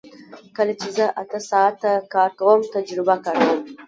کله چې زه اته ساعته کار کوم تجربه کاروم